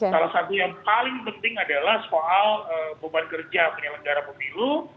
salah satu yang paling penting adalah soal beban kerja penyelenggara pemilu